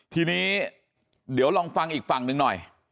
ทีนี้เดี๋ยวลองฟังอีกฝั่งหนึ่งหน่อย